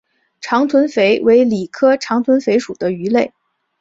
长臀鲃为鲤科长臀鲃属的鱼类。